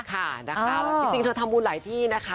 ค่ะนะคะจริงเธอทำบุญหลายที่นะคะ